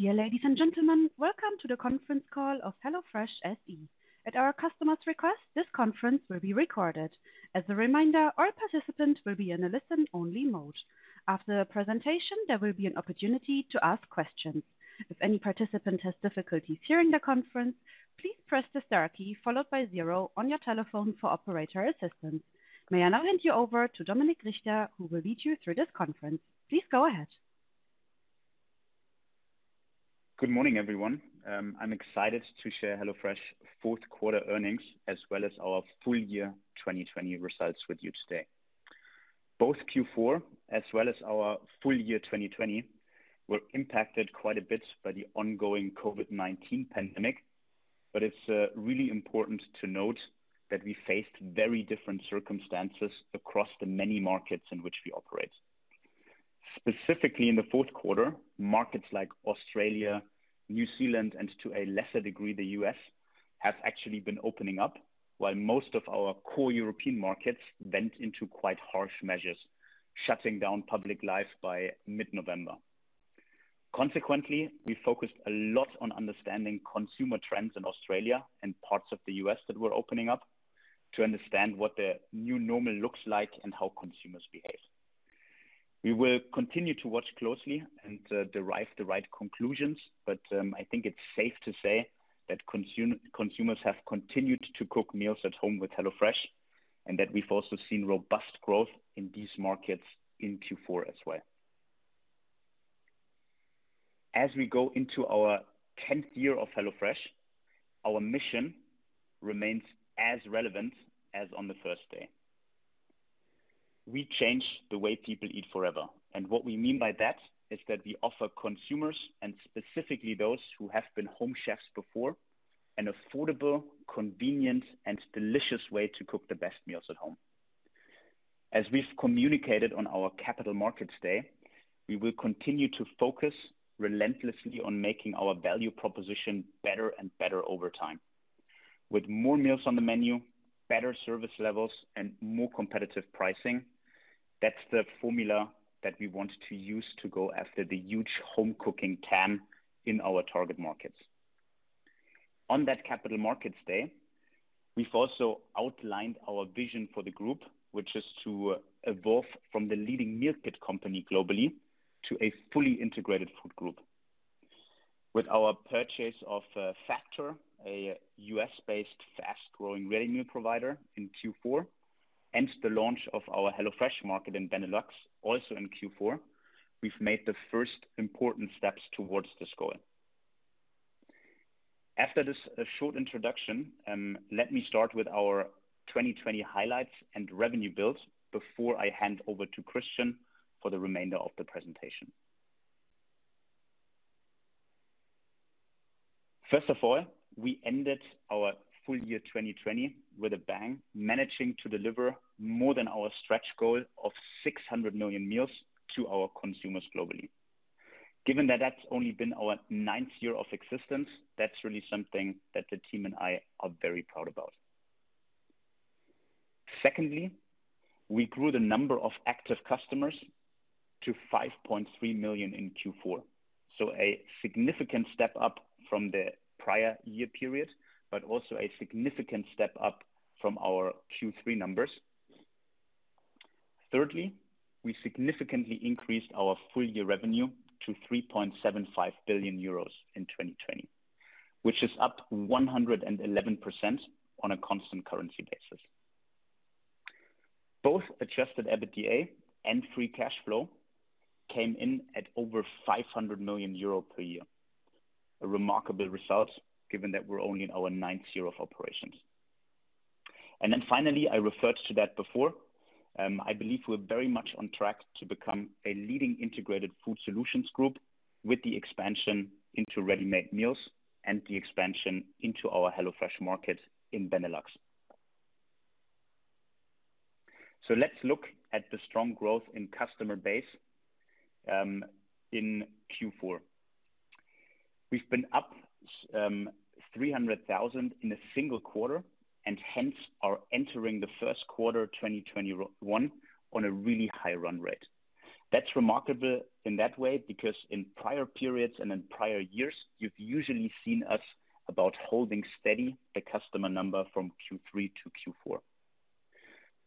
Dear ladies and gentlemen, welcome to the conference call of HelloFresh SE. At our customer's request, this conference will be recorded. As a reminder, all participants will be in a listen-only mode. After the presentation, there will be an opportunity to ask questions. If any participant has difficulties hearing the conference, please press the star key followed by zero on your telephone for operator assistance. May I now hand you over to Dominik Richter, who will lead you through this conference. Please go ahead. Good morning, everyone. I'm excited to share HelloFresh fourth quarter earnings, as well as our full year 2020 results with you today. Both Q4, as well as our full year 2020, were impacted quite a bit by the ongoing COVID-19 pandemic. It's really important to note that we faced very different circumstances across the many markets in which we operate. Specifically in the fourth quarter, markets like Australia, New Zealand, and to a lesser degree, the U.S., have actually been opening up, while most of our core European markets went into quite harsh measures, shutting down public life by mid-November. Consequently, we focused a lot on understanding consumer trends in Australia and parts of the U.S. that were opening up to understand what the new normal looks like and how consumers behave. We will continue to watch closely and derive the right conclusions, but I think it's safe to say that consumers have continued to cook meals at home with HelloFresh, and that we've also seen robust growth in these markets in Q4 as well. As we go into our 10th year of HelloFresh, our mission remains as relevant as on the first day. We change the way people eat forever, and what we mean by that is that we offer consumers, and specifically those who have been home chefs before, an affordable, convenient, and delicious way to cook the best meals at home. As we've communicated on our Capital Markets day, we will continue to focus relentlessly on making our value proposition better and better over time. With more meals on the menu, better service levels, and more competitive pricing, that's the formula that we want to use to go after the huge home cooking TAM in our target markets. On that Capital Markets Day, we've also outlined our vision for the group, which is to evolve from the leading meal kit company globally to a fully integrated food group. With our purchase of Factor, a U.S.-based fast-growing ready meal provider in Q4, and the launch of our HelloFresh Market in Benelux, also in Q4, we've made the first important steps towards this goal. After this short introduction, let me start with our 2020 highlights and revenue build before I hand over to Christian for the remainder of the presentation. We ended our full year 2020 with a bang, managing to deliver more than our stretch goal of 600 million meals to our consumers globally. Given that that's only been our ninth year of existence, that's really something that the team and I are very proud about. We grew the number of active customers to 5.3 million in Q4. A significant step up from the prior year period, but also a significant step up from our Q3 numbers. We significantly increased our full year revenue to 3.75 billion euros in 2020, which is up 111% on a constant currency basis. Both adjusted EBITDA and free cash flow came in at over 500 million euro per year. A remarkable result given that we're only in our ninth year of operations. Finally, I referred to that before, I believe we're very much on track to become a leading integrated food solutions group with the expansion into ready-made meals and the expansion into our HelloFresh Market in Benelux. Let's look at the strong growth in customer base in Q4. We've been up 300,000 in a single quarter, and hence are entering the first quarter 2021 on a really high run rate. That's remarkable in that way because in prior periods and in prior years, you've usually seen us about holding steady the customer number from Q3 to Q4.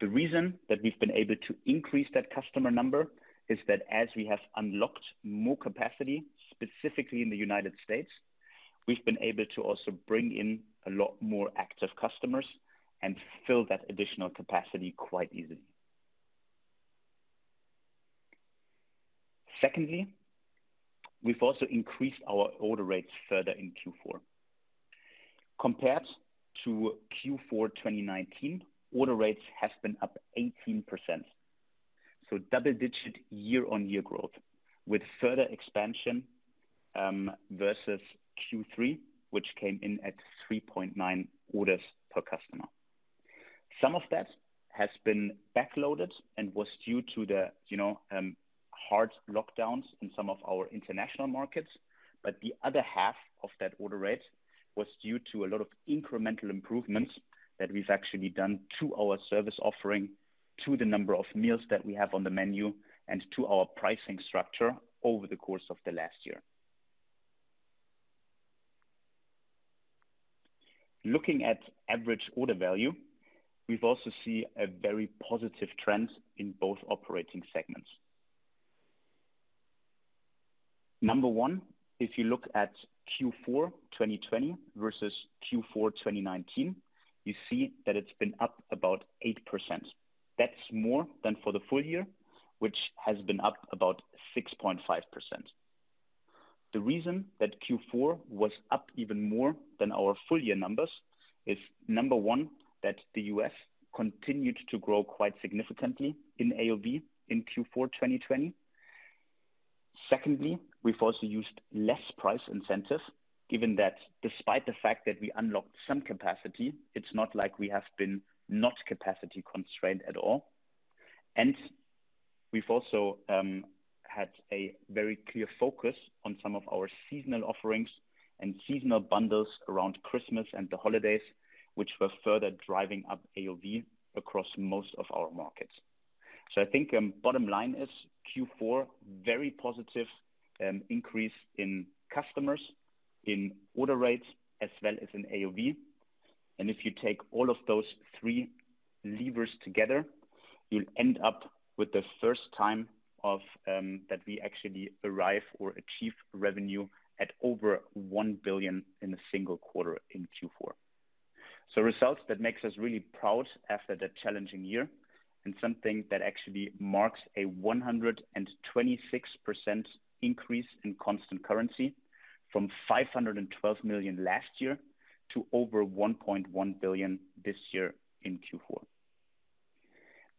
The reason that we've been able to increase that customer number is that as we have unlocked more capacity, specifically in the U.S., we've been able to also bring in a lot more active customers and fill that additional capacity quite easily. Secondly, we've also increased our order rates further in Q4. Compared to Q4 2019, order rates have been up 18%. Double-digit year-over-year growth with further expansion, versus Q3, which came in at 3.9 orders per customer. Some of that has been backloaded and was due to the hard lockdowns in some of our international markets. The other half of that order rate was due to a lot of incremental improvements that we've actually done to our service offering, to the number of meals that we have on the menu and to our pricing structure over the course of the last year. Looking at Average Order Value, we've also seen a very positive trend in both operating segments. Number one, if you look at Q4 2020 versus Q4 2019, you see that it's been up about 8%. That's more than for the full year, which has been up about 6.5%. The reason that Q4 was up even more than our full year numbers is number 1, that the U.S. continued to grow quite significantly in AOV in Q4 2020. Secondly, we've also used less price incentives, given that despite the fact that we unlocked some capacity, it's not like we have been not capacity constrained at all. We've also had a very clear focus on some of our seasonal offerings and seasonal bundles around Christmas and the holidays, which were further driving up AOV across most of our markets. I think bottom line is Q4, very positive increase in customers, in order rates, as well as in AOV. If you take all of those three levers together, you'll end up with the first time that we actually arrive or achieve revenue at over 1 billion in a single quarter in Q4. Results that make us really proud after that challenging year, and something that actually marks a 126% increase in constant currency from 512 million last year to over 1.1 billion this year in Q4.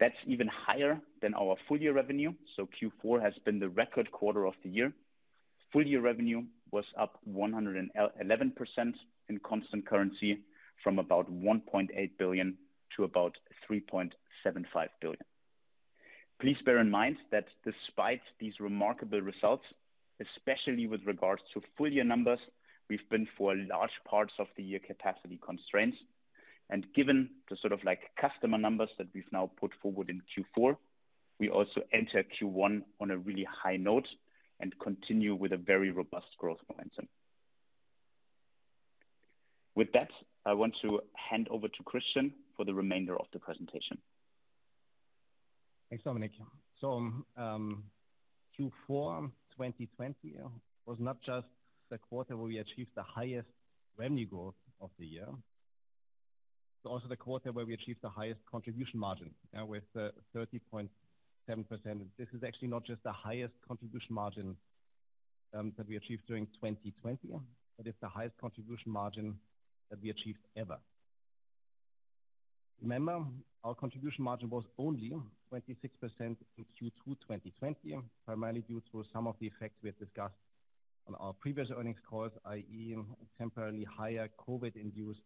That's even higher than our full year revenue, so Q4 has been the record quarter of the year. Full year revenue was up 111% in constant currency from about 1.8 billion to about 3.75 billion. Please bear in mind that despite these remarkable results, especially with regards to full year numbers, we've been for large parts of the year, capacity constraints. Given the sort of customer numbers that we've now put forward in Q4, we also enter Q1 on a really high note and continue with a very robust growth momentum. With that, I want to hand over to Christian for the remainder of the presentation. Thanks, Dominik. Q4 2020 was not just the quarter where we achieved the highest revenue growth of the year. It's also the quarter where we achieved the highest contribution margin with 30.7%. This is actually not just the highest contribution margin that we achieved during 2020, but it's the highest contribution margin that we achieved ever. Remember, our contribution margin was only 26% in Q2 2020, primarily due to some of the effects we have discussed on our previous earnings calls, i.e., temporarily higher COVID-induced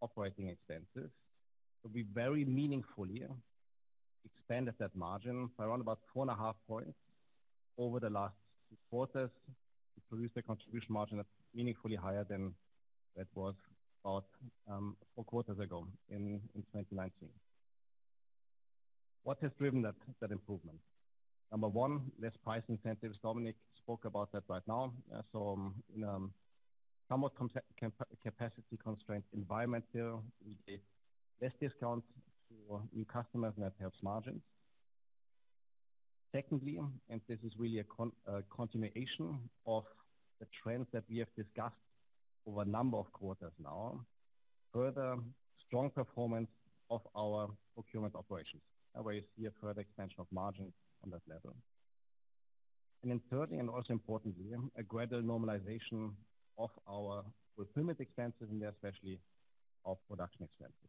operating expenses. We very meaningfully expanded that margin by around about four and a half points over the last four quarters to produce a contribution margin that's meaningfully higher than it was about four quarters ago in 2019. What has driven that improvement? Number one, less price incentives. Dominik spoke about that right now. In a somewhat capacity constraint environment there, we gave less discounts to new customers and that helps margins. Secondly, this is really a continuation of the trends that we have discussed over a number of quarters now. Further strong performance of our procurement operations, where you see a further expansion of margins on that level. Thirdly, also importantly, a gradual normalization of our fulfillment expenses, and especially our production expenses.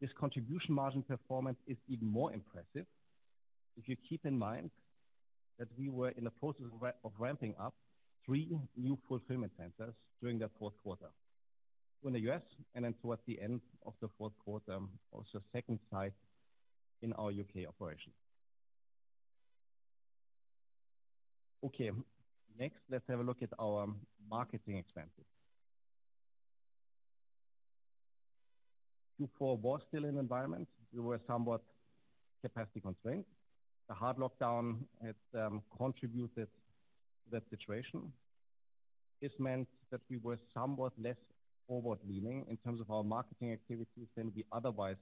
This contribution margin performance is even more impressive if you keep in mind that we were in the process of ramping up three new fulfillment centers during that fourth quarter. Two in the U.S., then towards the end of the fourth quarter, also second site in our U.K. operation. Next let's have a look at our marketing expenses. Q4 was still an environment, we were somewhat capacity constrained. The hard lockdown had contributed to that situation. This meant that we were somewhat less forward leaning in terms of our marketing activities than we otherwise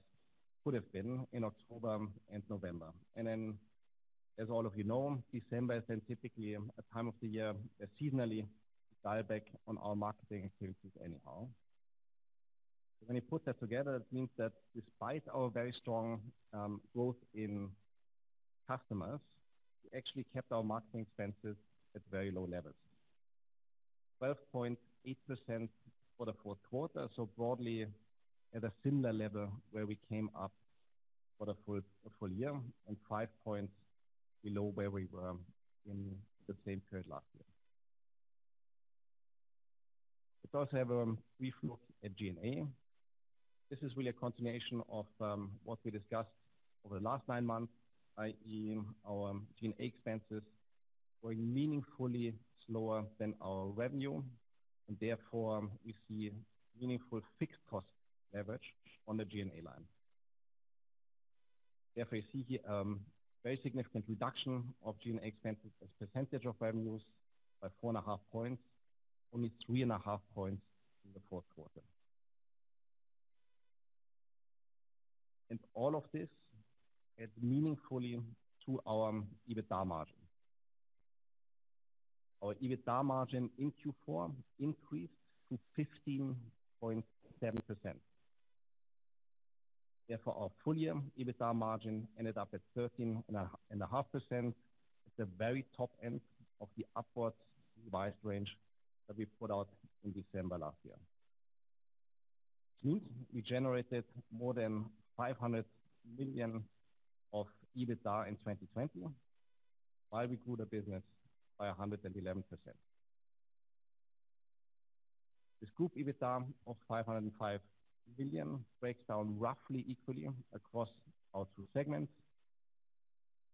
could have been in October and November. As all of you know, December is then typically a time of the year, seasonally dial back on our marketing expenses anyhow. When you put that together, it means that despite our very strong growth in customers, we actually kept our marketing expenses at very low levels. 12.8% for the fourth quarter, so broadly at a similar level where we came up for the full year and 5 points below where we were in the same period last year. Let's also have a brief look at G&A. This is really a continuation of what we discussed over the last nine months, i.e., our G&A expenses going meaningfully slower than our revenue, and therefore we see meaningful fixed cost leverage on the G&A line. Therefore, you see here very significant reduction of G&A expenses as percentage of revenues by four and a half points, only three and a half points in the fourth quarter. All of this adds meaningfully to our EBITDA margin. Our EBITDA margin in Q4 increased to 15.7%. Therefore, our full year EBITDA margin ended up at 13.5% at the very top end of the upwards revised range that we put out in December last year. We generated more than 500 million of EBITDA in 2020, while we grew the business by 111%. This group EBITDA of 505 million breaks down roughly equally across our two segments.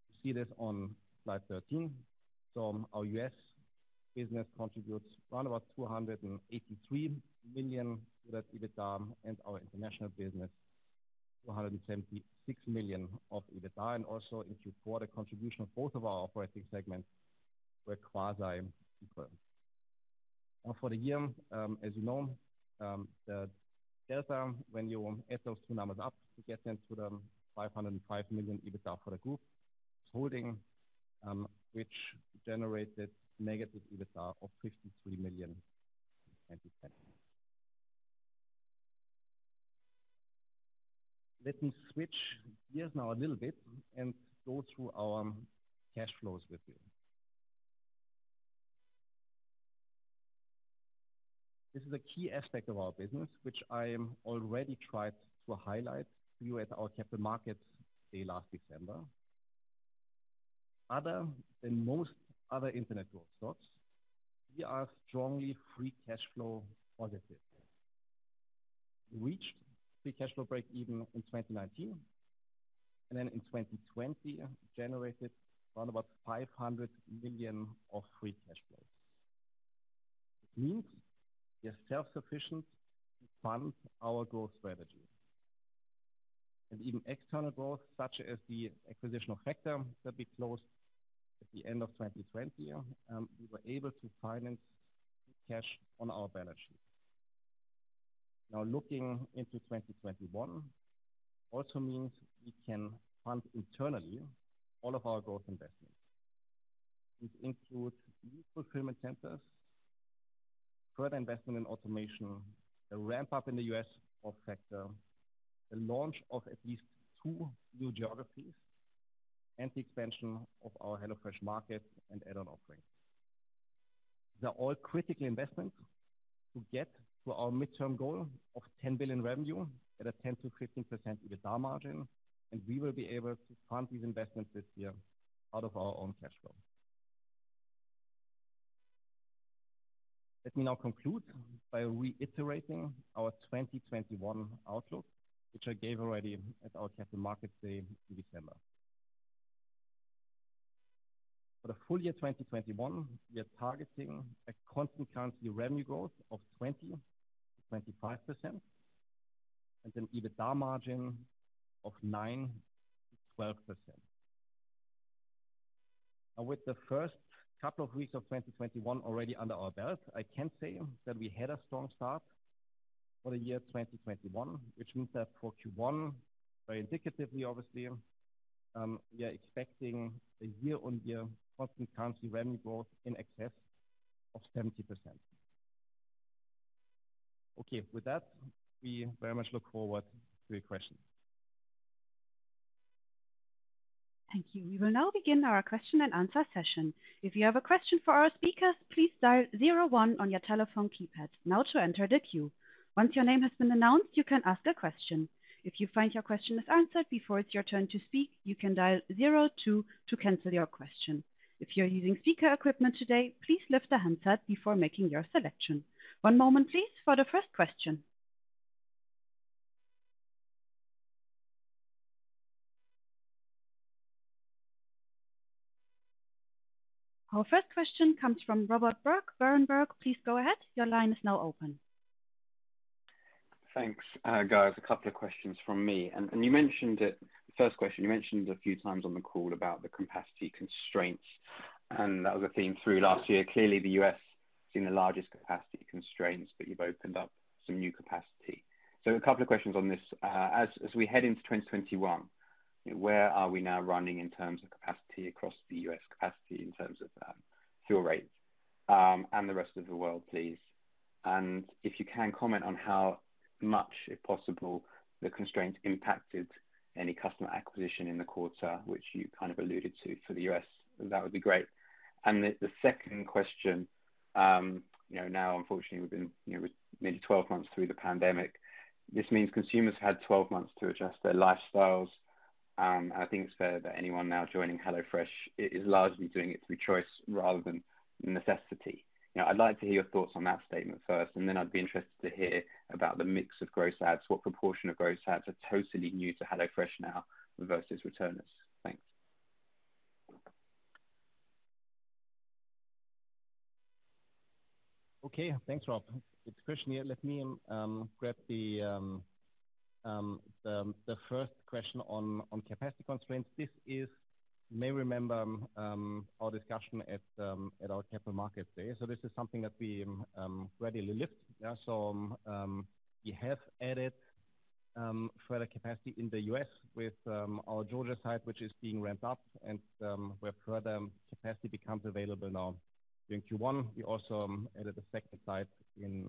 You see this on slide 13. Our U.S. business contributes around about 283 million with EBITDA and our international business, 276 million of EBITDA, and also in Q4, the contribution of both of our operating segments were quasi equal. For the year, as you know, the delta, when you add those two numbers up, you get then to the 505 million EBITDA for the group. Holding, which generated negative EBITDA of 53 million in 2020. Let me switch gears now a little bit and go through our cash flows with you. This is a key aspect of our business, which I already tried to highlight to you at our capital markets day last December. Other than most other internet growth stocks, we are strongly free cash flow positive. We reached free cash flow breakeven in 2019, and then in 2020 generated around about 500 million of free cash flows, which means we are self-sufficient to fund our growth strategy. Even external growth, such as the acquisition of Factor that we closed at the end of 2020, we were able to finance with cash on our balance sheet. Looking into 2021 also means we can fund internally all of our growth investments. This includes new fulfillment centers, further investment in automation, a ramp-up in the U.S. of Factor, the launch of at least two new geographies, and the expansion of our HelloFresh Market and add-on offerings. They're all critical investments to get to our midterm goal of 10 billion revenue at a 10%-15% EBITDA margin, and we will be able to fund these investments this year out of our own cash flow. Let me now conclude by reiterating our 2021 outlook, which I gave already at our capital markets day in December. For the full year 2021, we are targeting a constant currency revenue growth of 20%-25%, and an EBITDA margin of 9%-12%. With the first couple of weeks of 2021 already under our belt, I can say that we had a strong start for the year 2021, which means that for Q1, very indicatively obviously, we are expecting a year-on-year constant currency revenue growth in excess of 70%. With that, we very much look forward to your questions. Thank you. We will now begin our question and answer session. If you have a question for our speakers, please dial zero one on your telephone keypad now to enter the queue. Once your name has been announced, you can ask a question. If you find your question is answered before it's your turn to speak, you can dial zero two to cancel your question. If you're using speaker equipment today, please lift the handset before making your selection. One moment, please, for the first question. Our first question comes from Robert Berg, Berenberg. Please go ahead. Your line is now open. Thanks. Guys, a couple of questions from me. First question, you mentioned a few times on the call about the capacity constraints, and that was a theme through last year. Clearly, the U.S. has seen the largest capacity constraints, but you've opened up some new capacity. A couple of questions on this. As we head into 2021, where are we now running in terms of capacity across the U.S. capacity in terms of fill rates, and the rest of the world, please? If you can comment on how much, if possible, the constraints impacted any customer acquisition in the quarter, which you kind of alluded to for the U.S., that would be great. The second question, now unfortunately, we've been nearly 12 months through the pandemic. This means consumers had 12 months to adjust their lifestyles. I think it's fair that anyone now joining HelloFresh is largely doing it through choice rather than necessity. I'd like to hear your thoughts on that statement first. I'd be interested to hear about the mix of gross adds. What proportion of gross adds are totally new to HelloFresh now versus returners? Thanks. Okay. Thanks, Rob. Good question. Let me grab the first question on capacity constraints. This is, you may remember our discussion at our capital markets day. This is something that we readily lift. We have added further capacity in the U.S. with our Georgia site, which is being ramped up, and where further capacity becomes available now. During Q1, we also added a second site in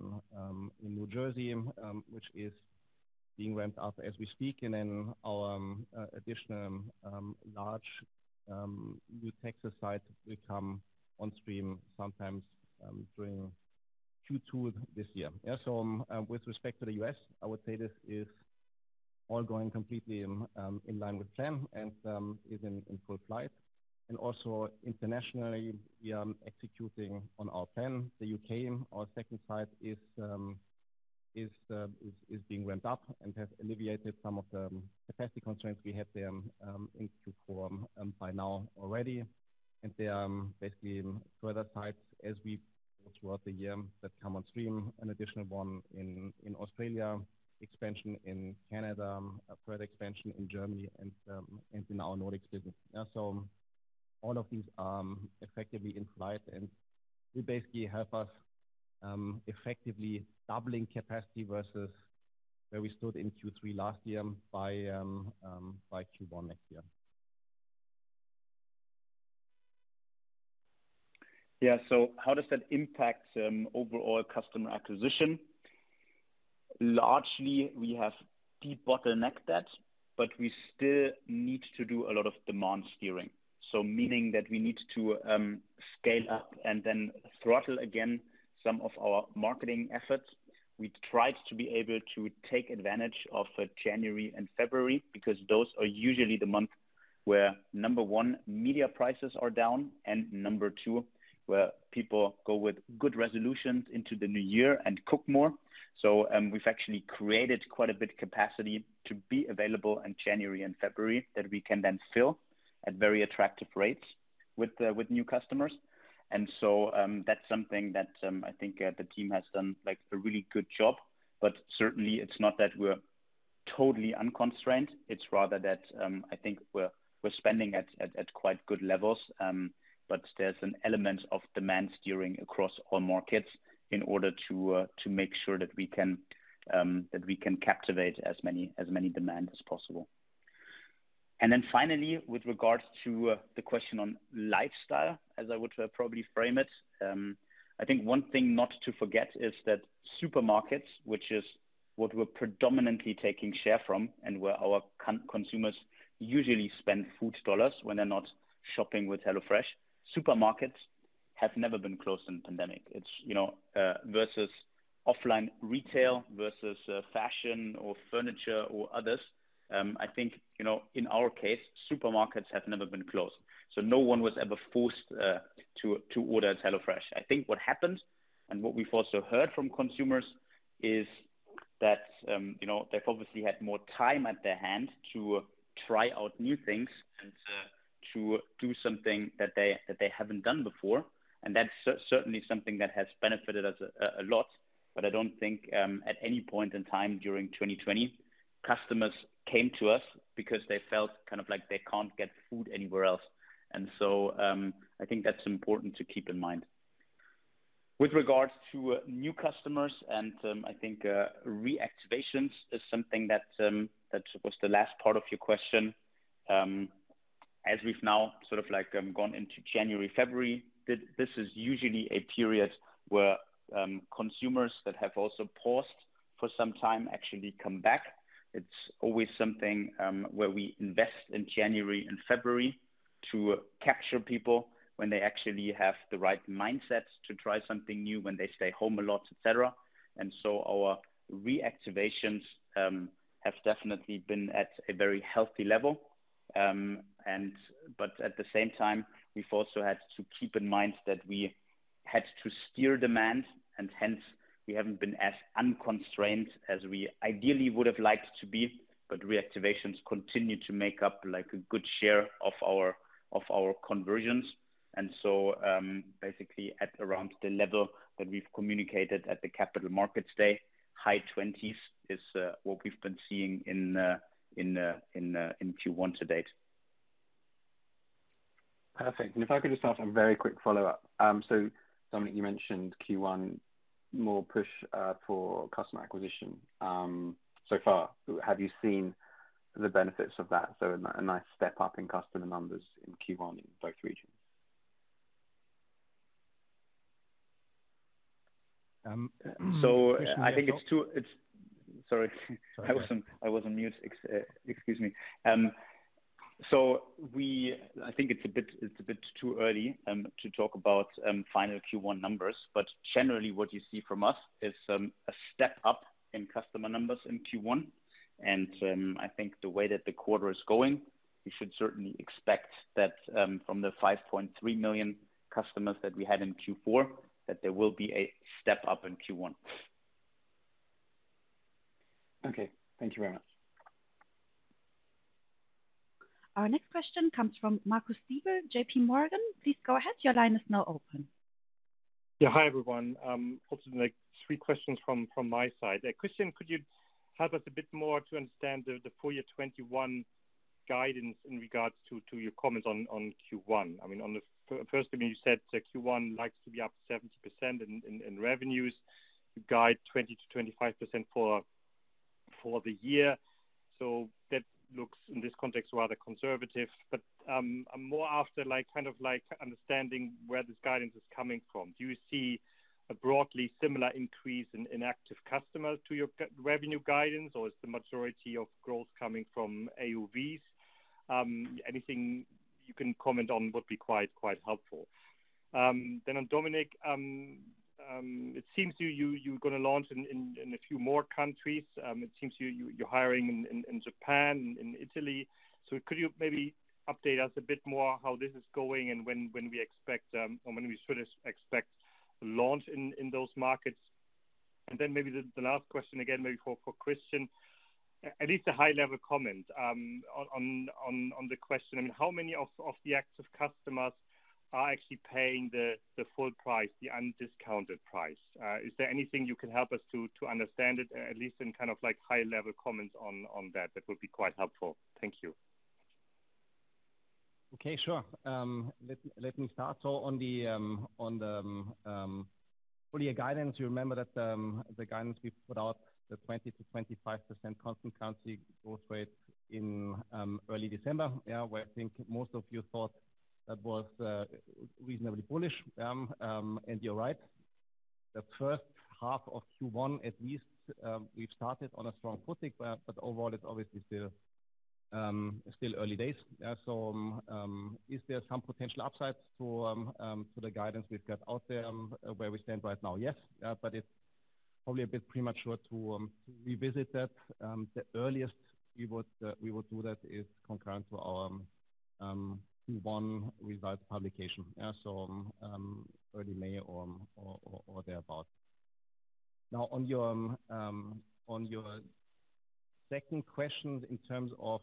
New Jersey, which is being ramped up as we speak, and then our additional large new Texas site will come on stream sometimes during Q2 of this year. With respect to the U.S., I would say this is all going completely in line with plan and is in full flight. Also internationally, we are executing on our plan. The U.K., our second site is being ramped up and has alleviated some of the capacity constraints we had there in Q4 by now already. There are basically further sites as we go throughout the year that come on stream, an additional one in Australia, expansion in Canada, a further expansion in Germany and in our Nordics business. All of these are effectively in flight, and will basically help us effectively doubling capacity versus where we stood in Q3 last year by Q1 next year. Yeah. How does that impact overall customer acquisition? Largely, we have deep bottle-necked that, but we still need to do a lot of demand steering. Meaning that we need to scale up and then throttle again some of our marketing efforts. We tried to be able to take advantage of January and February, because those are usually the months where, number one, media prices are down, and number two, where people go with good resolutions into the new year and cook more. We've actually created quite a bit capacity to be available in January and February that we can then fill at very attractive rates with new customers. That's something that I think the team has done a really good job. Certainly it's not that we're totally unconstrained. It's rather that, I think we're spending at quite good levels. There's an element of demand steering across all markets in order to make sure that we can captivate as many demands as possible. Finally, with regards to the question on lifestyle, as I would probably frame it. I think one thing not to forget is that supermarkets, which is what we're predominantly taking share from, and where our consumers usually spend food dollars when they're not shopping with HelloFresh. Supermarkets have never been closed in the pandemic, versus offline retail, versus fashion or furniture or others. I think, in our case, supermarkets have never been closed, so no one was ever forced to order at HelloFresh. I think what happened, and what we've also heard from consumers, is that they've obviously had more time at their hand to try out new things and to do something that they haven't done before. That's certainly something that has benefited us a lot. I don't think at any point in time during 2020, customers came to us because they felt like they can't get food anywhere else. I think that's important to keep in mind. With regards to new customers and I think reactivations is something that was the last part of your question. As we've now gone into January, February, this is usually a period where consumers that have also paused for some time actually come back. It's always something where we invest in January and February to capture people when they actually have the right mindsets to try something new, when they stay home a lot, et cetera. Our reactivations have definitely been at a very healthy level. At the same time, we've also had to keep in mind that we had to steer demand, and hence, we haven't been as unconstrained as we ideally would've liked to be. Reactivations continue to make up a good share of our conversions. Basically at around the level that we've communicated at the capital markets day, high 20s is what we've been seeing in Q1 to date. Perfect. If I could just ask a very quick follow-up. Dominik, you mentioned Q1, more push for customer acquisition. So far, have you seen the benefits of that? A nice step up in customer numbers in Q1 in both regions. Sorry. I was on mute. Excuse me. I think it's a bit too early to talk about final Q1 numbers. Generally, what you see from us is a step up in customer numbers in Q1. I think the way that the quarter is going, we should certainly expect that from the 5.3 million customers that we had in Q4, that there will be a step up in Q1. Okay. Thank you very much. Our next question comes from Marcus Diebel, J.P. Morgan. Please go ahead. Your line is now open. Yeah. Hi, everyone. Also three questions from my side. Christian, could you help us a bit more to understand the full year 2021 guidance in regards to your comments on Q1? First, I mean, you said Q1 likes to be up 70% in revenues. You guide 20%-25% for the year. That looks, in this context, rather conservative. I'm more after understanding where this guidance is coming from. Do you see a broadly similar increase in active customers to your revenue guidance, or is the majority of growth coming from AOV? Anything you can comment on would be quite helpful. On Dominik, it seems you're going to launch in a few more countries. It seems you're hiring in Japan and in Italy. Could you maybe update us a bit more how this is going and when we should expect launch in those markets? Maybe the last question, again, maybe for Christian. At least a high level comment on the question. How many of the active customers are actually paying the full price, the undiscounted price? Is there anything you can help us to understand it, at least in high level comments on that? That would be quite helpful. Thank you. Okay, sure. Let me start. On the full year guidance, you remember that the guidance we put out, the 20%-25% constant currency growth rate in early December, where I think most of you thought that was reasonably bullish. You're right. The first half of Q1 at least, we've started on a strong footing. Overall, it's obviously still early days. Is there some potential upside to the guidance we've got out there where we stand right now? Yes. It's probably a bit premature to revisit that. The earliest we would do that is concurrent to our Q1 results publication. Early May or thereabout. Now, on your second question in terms of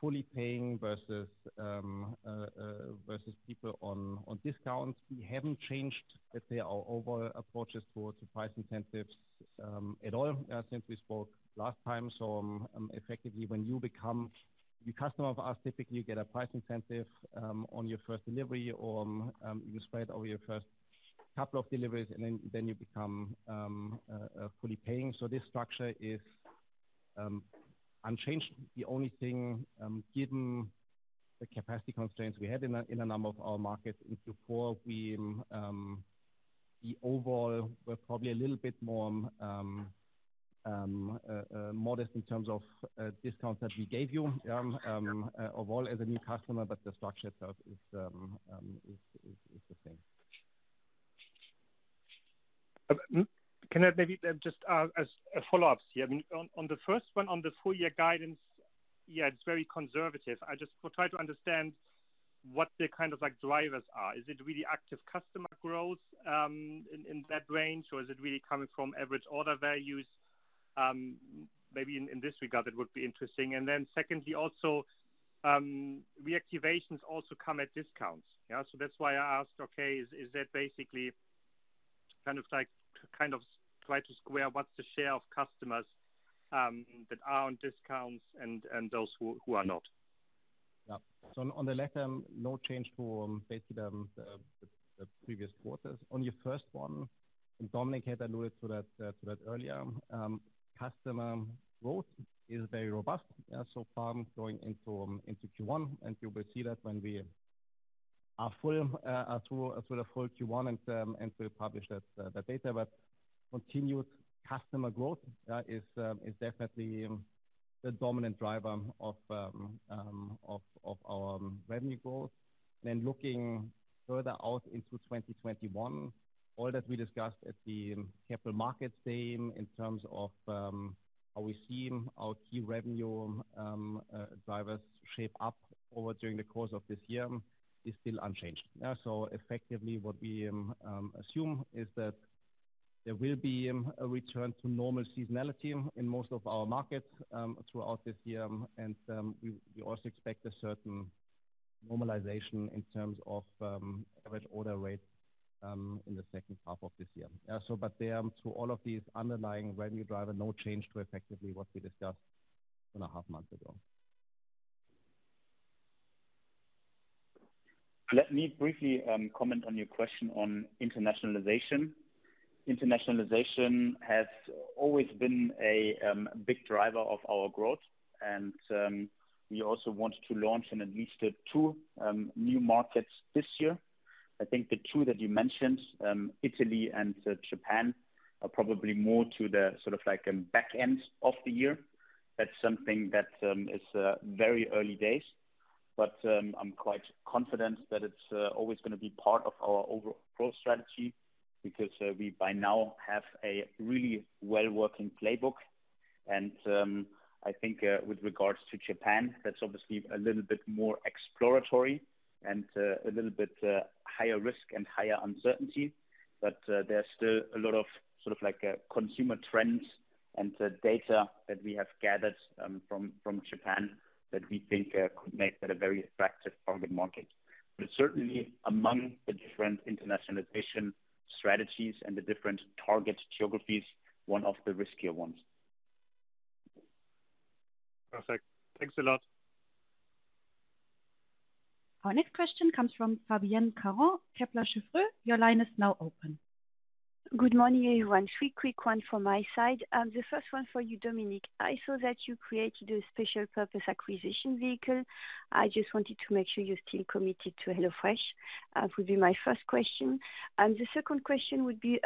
fully paying versus people on discounts. We haven't changed our overall approaches towards the price incentives at all since we spoke last time. Effectively, when you become a customer of ours, typically you get a price incentive on your first delivery, or you spread over your first couple of deliveries, and then you become fully paying. This structure is unchanged. The only thing, given the capacity constraints we had in a number of our markets in Q4, the overall were probably a little bit more modest in terms of discounts that we gave you overall as a new customer, but the structure itself is the same. Can I maybe just as a follow-up? On the first one, on the full year guidance, yeah, it's very conservative. I just try to understand what the kind of drivers are. Is it really active customer growth in that range, or is it really coming from Average Order Values? Maybe in this regard, it would be interesting. Secondly, also reactivations also come at discounts. That's why I asked, okay, is that basically try to square what's the share of customers that are on discounts and those who are not? Yeah. On the latter, no change to basically the previous quarters. On your first one, Dominik had alluded to that earlier. Customer growth is very robust so far going into Q1, and you will see that when we are through the full Q1 and we publish that data. Continued customer growth is definitely the dominant driver of our revenue growth. Looking further out into 2021, all that we discussed at the capital markets day in terms of how we see our key revenue drivers shape up over during the course of this year is still unchanged. Effectively, what we assume is that there will be a return to normal seasonality in most of our markets throughout this year. We also expect a certain normalization in terms of average order rate in the second half of this year. To all of these underlying revenue driver, no change to effectively what we discussed two and a half months ago. Let me briefly comment on your question on internationalization. Internationalization has always been a big driver of our growth, and we also want to launch in at least two new markets this year. I think the two that you mentioned, Italy and Japan, are probably more to the sort of back end of the year. That's something that is very early days. But I'm quite confident that it's always going to be part of our overall growth strategy because we, by now, have a really well-working playbook. I think with regards to Japan, that's obviously a little bit more exploratory and a little bit higher risk and higher uncertainty. There's still a lot of consumer trends and data that we have gathered from Japan that we think could make that a very attractive target market. It's certainly among the different internationalization strategies and the different target geographies, one of the riskier ones. Perfect. Thanks a lot. Our next question comes from Fabienne Caron, Kepler Cheuvreux. Your line is now open. Good morning, everyone. Three quick one from my side. The first one for you, Dominik. I saw that you created a special purpose acquisition vehicle. I just wanted to make sure you're still committed to HelloFresh, would be my first question. The second question would be,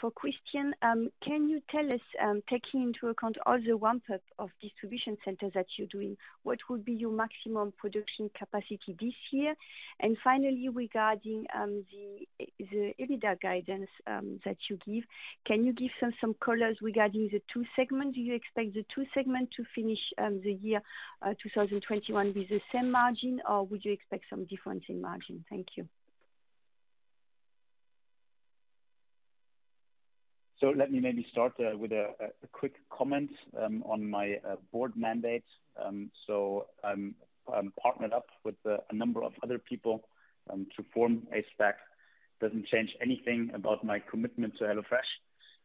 for Christian, can you tell us, taking into account all the ramp-up of distribution centers that you're doing, what would be your maximum production capacity this year? Finally, regarding the EBITDA guidance that you give, can you give some colors regarding the two segments? Do you expect the two segment to finish the year 2021 with the same margin, or would you expect some difference in margin? Thank you. Let me maybe start with a quick comment on my board mandate. I'm partnered up with a number of other people to form a SPAC. Doesn't change anything about my commitment to HelloFresh.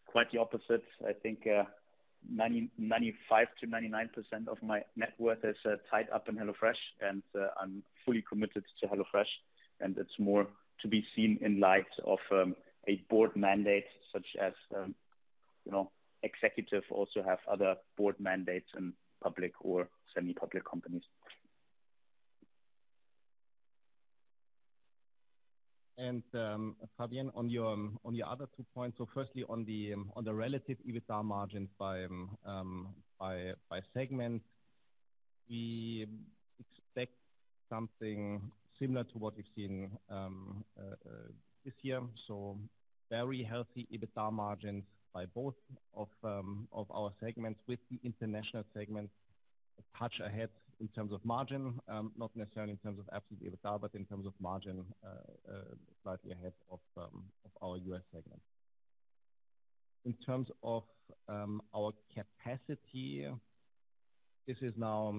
Quite the opposite. I think 95%-99% of my net worth is tied up in HelloFresh, and I'm fully committed to HelloFresh, and it's more to be seen in light of a board mandate such as executive also have other board mandates in public or semi-public companies. Fabienne, on your other two points. Firstly, on the relative EBITDA margins by segment, we expect something similar to what we've seen this year. Very healthy EBITDA margins by both of our segments with the international segment a touch ahead in terms of margin. Not necessarily in terms of absolute EBITDA, but in terms of margin, slightly ahead of our U.S. segment. In terms of our capacity, this is now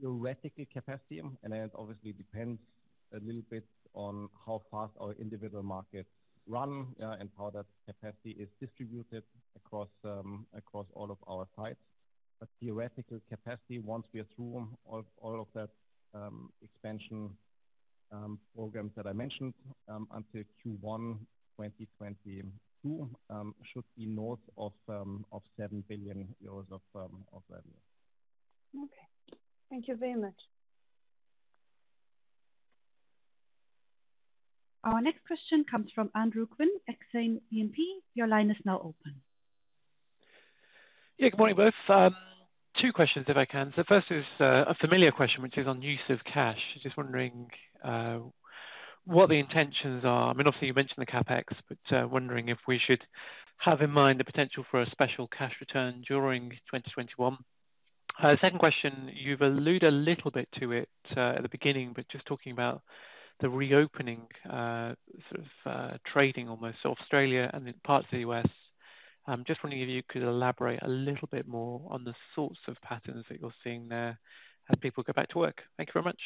theoretical capacity, and it obviously depends a little bit on how fast our individual markets run and how that capacity is distributed across all of our sites. Theoretical capacity, once we are through all of that expansion programs that I mentioned until Q1 2022, should be north of 7 billion euros of revenue. Okay. Thank you very much. Our next question comes from Andrew Gwynn, Exane BNP Paribas. Your line is now open. Yeah, good morning, both. Two questions, if I can. First is a familiar question, which is on use of cash. Just wondering what the intentions are. I mean, obviously, you mentioned the CapEx, but wondering if we should have in mind the potential for a special cash return during 2021. Second question, you've alluded a little bit to it at the beginning, but just talking about the reopening trading almost Australia and in parts of the U.S. Just wondering if you could elaborate a little bit more on the sorts of patterns that you're seeing there as people go back to work. Thank you very much.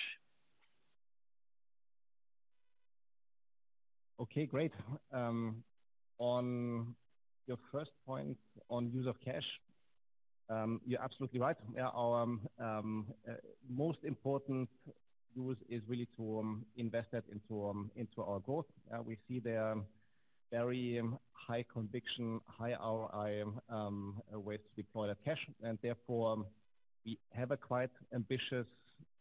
Okay, great. On your first point on use of cash, you're absolutely right. Our most important use is really to invest that into our growth. We see there very high conviction, high ROI ways to deploy that cash. Therefore, we have a quite ambitious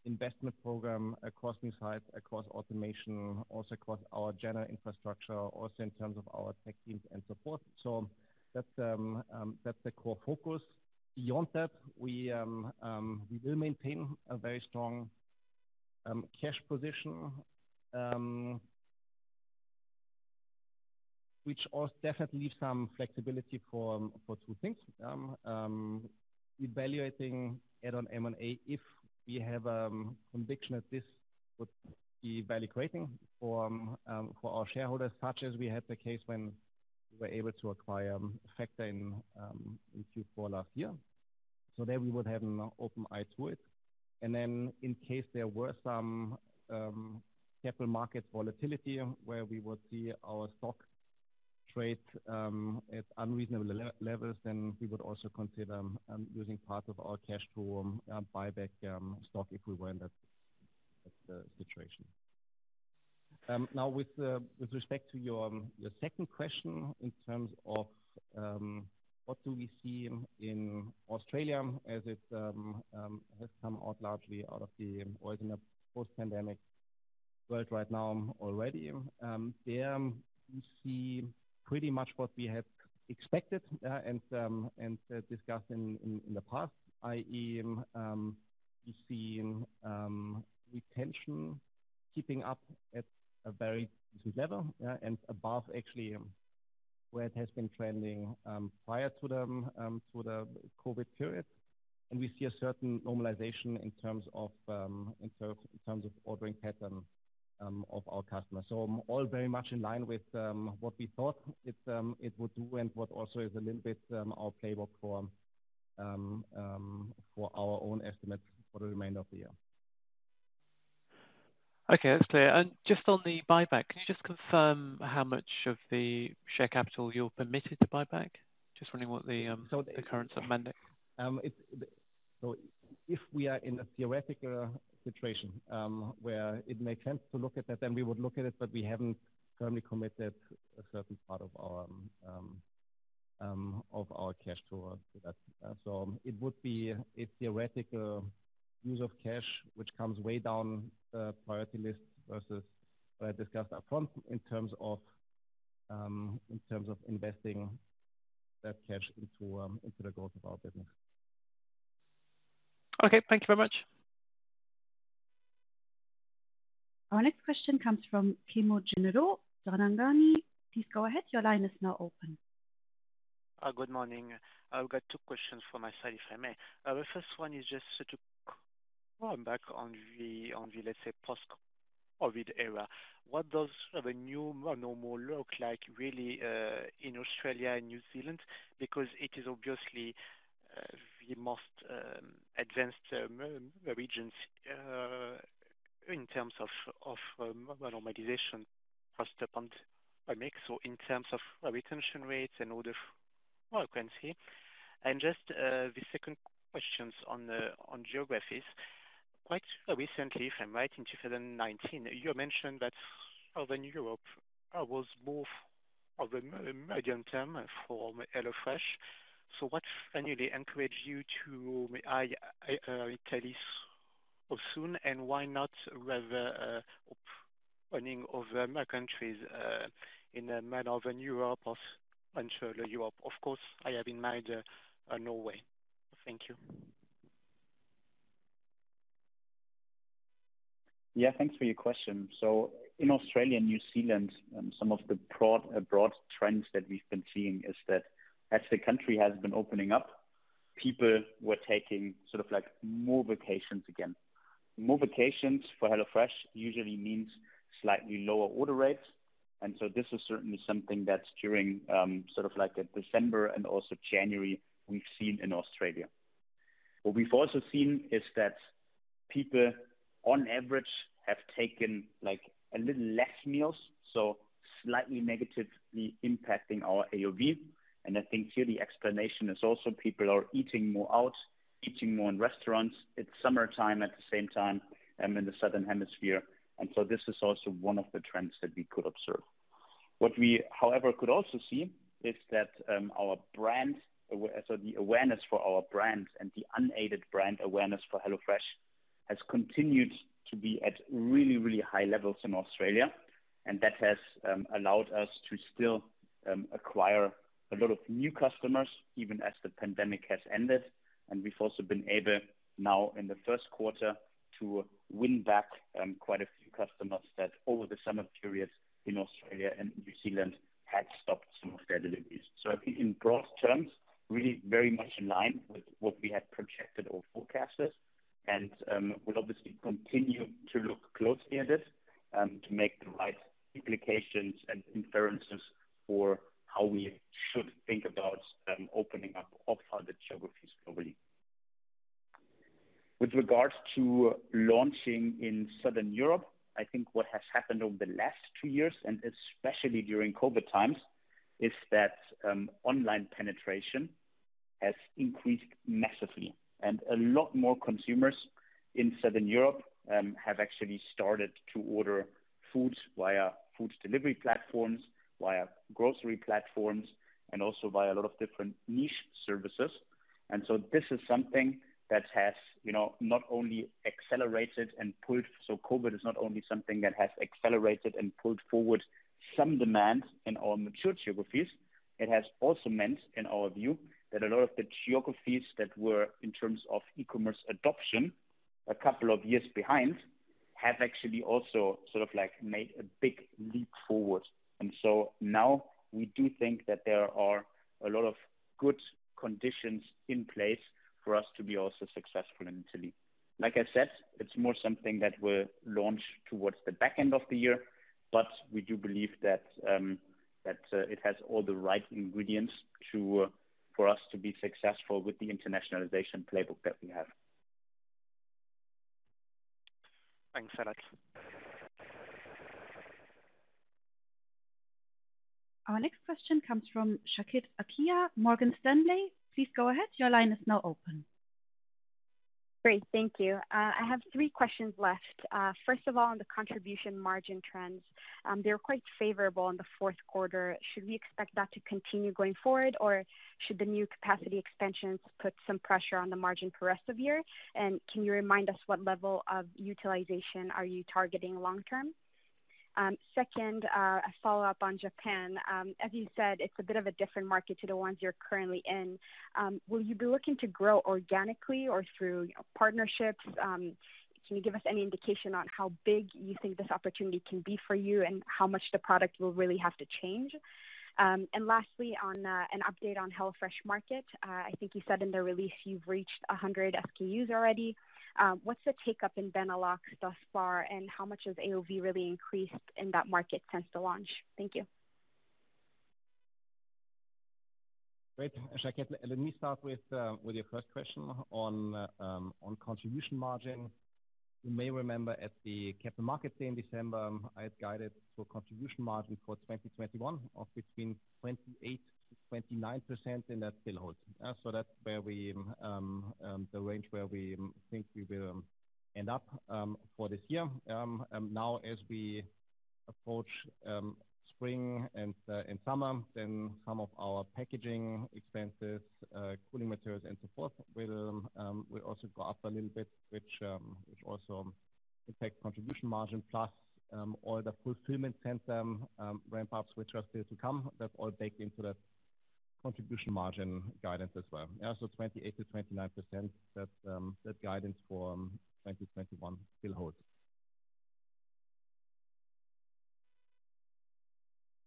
investment program across new sites, across automation, also across our general infrastructure, also in terms of our tech teams and support. That's the core focus. Beyond that, we will maintain a very strong cash position, which also definitely leaves some flexibility for two things. Evaluating add-on M&A, if we have a conviction that this would be value-creating for our shareholders, such as we had the case when we were able to acquire Factor in Q4 last year. There we would have an open eye to it. In case there were some capital market volatility where we would see our stock trade at unreasonable levels, then we would also consider using part of our cash to buy back stock if we were in that situation. Now with respect to your second question in terms of what do we see in Australia as it has come out largely out of the original post-pandemic world right now already. There we see pretty much what we have expected and discussed in the past, i.e., we've seen retention keeping up at a very good level and above actually where it has been trending prior to the COVID-19 period. We see a certain normalization in terms of ordering pattern of our customers. All very much in line with what we thought it would do and what also is a little bit our playbook for our own estimates for the remainder of the year. Okay. That's clear. Just on the buyback, can you just confirm how much of the share capital you're permitted to buy back? Just wondering what the current amendment. If we are in a theoretical situation, where it makes sense to look at that, then we would look at it. We haven't currently committed a certain part of our cash flow to that. It would be a theoretical use of cash, which comes way down the priority list versus what I discussed upfront in terms of investing that cash into the growth of our business. Okay. Thank you very much. Our next question comes from Clement Genelot, Bryan, Garnier & Co. Please go ahead. Good morning. I've got two questions from my side, if I may. The first one is just to come back on the, let's say, post-COVID era. What does the new normal look like, really, in Australia and New Zealand? Because it is obviously the most advanced regions in terms of normalization first upon the mix or in terms of retention rates and order frequency. The second questions on geographies. Quite recently, if I'm right, in 2019, you mentioned that Southern Europe was more of a medium term for HelloFresh. What finally encouraged you to make it Italy so soon? Why not rather opening other countries in the manner of Europe or Central Europe? Of course, I have in mind Norway. Thank you. Thanks for your question. In Australia and New Zealand, some of the broad trends that we've been seeing is that as the country has been opening up, people were taking more vacations again. More vacations for HelloFresh usually means slightly lower order rates. This is certainly something that during December and also January, we've seen in Australia. What we've also seen is that people, on average, have taken a little less meals, so slightly negatively impacting our AOV. I think here the explanation is also people are eating more out, eating more in restaurants. It's summertime at the same time in the Southern Hemisphere. This is also one of the trends that we could observe. What we, however, could also see is that the awareness for our brand and the unaided brand awareness for HelloFresh has continued to be at really high levels in Australia. That has allowed us to still acquire a lot of new customers, even as the pandemic has ended. We've also been able now in the first quarter to win back quite a few customers that over the summer period in Australia and New Zealand had stopped some of their deliveries. I think in broad terms, really very much in line with what we had projected or forecasted, and we'll obviously continue to look closely at it to make the right implications and inferences for how we should think about opening up other geographies globally. With regards to launching in Southern Europe, I think what has happened over the last 2 years, and especially during COVID times, is that online penetration has increased massively. A lot more consumers in Southern Europe have actually started to order foods via food delivery platforms, via grocery platforms, and also via a lot of different niche services. This is something that has not only accelerated and pulled forward some demand in our mature geographies, it has also meant, in our view, that a lot of the geographies that were, in terms of e-commerce adoption, a couple of years behind, have actually also made a big leap forward. Now we do think that there are a lot of good conditions in place for us to be also successful in Italy. Like I said, it's more something that will launch towards the back end of the year. We do believe that it has all the right ingredients for us to be successful with the internationalization playbook that we have. Thanks a lot. Our next question comes from [Jaleesa Askari], Morgan Stanley. Great. Thank you. I have three questions left. First of all, on the contribution margin trends. They were quite favorable in the fourth quarter. Should we expect that to continue going forward, or should the new capacity expansions put some pressure on the margin for rest of year? Can you remind us what level of utilization are you targeting long term? Second, a follow-up on Japan. As you said, it's a bit of a different market to the ones you're currently in. Will you be looking to grow organically or through partnerships? Can you give us any indication on how big you think this opportunity can be for you, and how much the product will really have to change? Lastly, an update on HelloFresh Market. I think you said in the release you've reached 100 SKUs already. What's the take-up in Benelux thus far, and how much has AOV really increased in that market since the launch? Thank you. Great. [Jacky], let me start with your first question on contribution margin. You may remember at the Capital Markets Day in December, I had guided for contribution margin for 2021 of between 28%-29%, that still holds. That's the range where we think we will end up for this year. As we approach spring and summer, then some of our packaging expenses, cooling materials, and so forth, will also go up a little bit, which also impact contribution margin, plus all the fulfillment center ramp-ups, which are still to come. That's all baked into the contribution margin guidance as well. Yeah, 28%-29%, that guidance for 2021 still holds.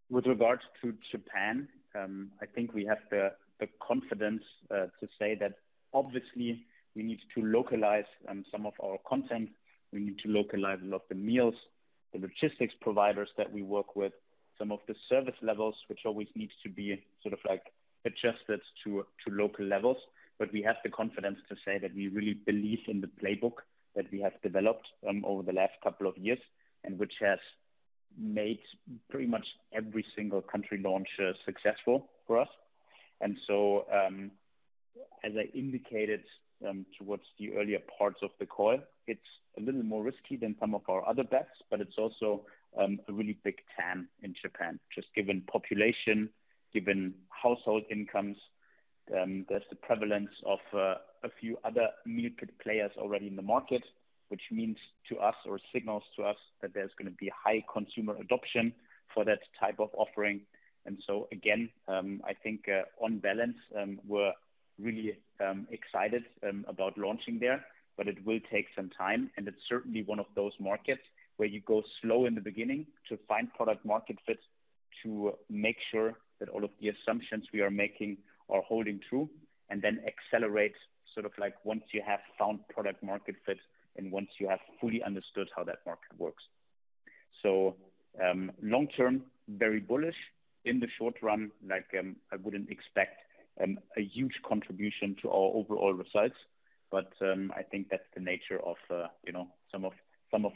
With regards to Japan, I think we have the confidence to say that obviously we need to localize some of our content. We need to localize a lot of the meals, the logistics providers that we work with, some of the service levels, which always needs to be sort of adjusted to local levels. But we have the confidence to say that we really believe in the playbook that we have developed over the last couple of years, and which has made pretty much every single country launch successful for us. As I indicated towards the earlier parts of the call, it's a little more risky than some of our other bets, but it's also a really big TAM in Japan, just given population, given household incomes. There's the prevalence of a few other meal kit players already in the market, which means to us or signals to us that there's going to be high consumer adoption for that type of offering. Again, I think, on balance, we're really excited about launching there, but it will take some time, and it is certainly one of those markets where you go slow in the beginning to find product market fit, to make sure that all of the assumptions we are making are holding true, and then accelerate sort of like once you have found product market fit and once you have fully understood how that market works. Long term, very bullish. In the short run, I wouldn't expect a huge contribution to our overall results, but I think that's the nature of some of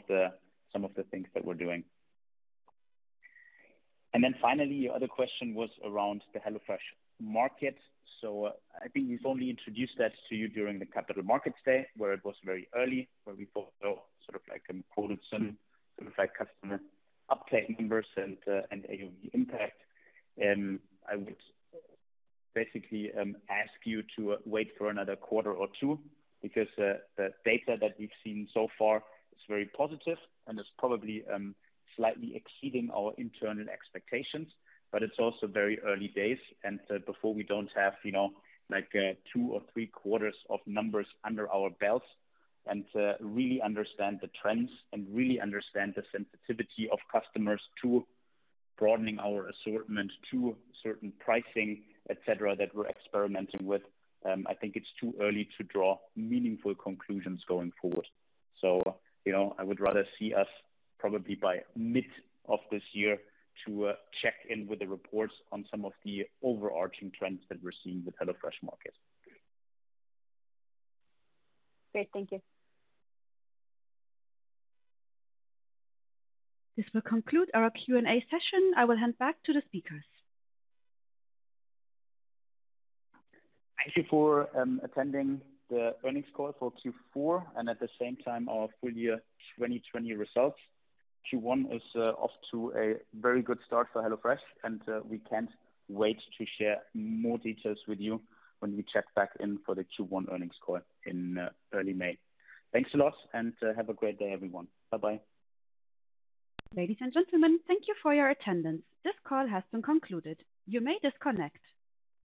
the things that we're doing. Finally, your other question was around the HelloFresh Market. I think we've only introduced that to you during the Capital Markets Day, where it was very early, where we thought sort of like in quotes, some of that customer uptake numbers and AOV impact. I would basically ask you to wait for another quarter or two, because the data that we've seen so far is very positive and is probably slightly exceeding our internal expectations. It's also very early days. Before we don't have two or three quarters of numbers under our belts and really understand the trends and really understand the sensitivity of customers to broadening our assortment to certain pricing, et cetera, that we're experimenting with, I think it's too early to draw meaningful conclusions going forward. I would rather see us probably by mid of this year to check in with the reports on some of the overarching trends that we're seeing with HelloFresh Market. Great. Thank you. This will conclude our Q&A session. I will hand back to the speakers. Thank you for attending the earnings call for Q4, and at the same time, our full year 2020 results. Q1 is off to a very good start for HelloFresh, and we can't wait to share more details with you when we check back in for the Q1 earnings call in early May. Thanks a lot, and have a great day, everyone. Bye-bye. Ladies and gentlemen, thank you for your attendance. This call has been concluded. You may disconnect.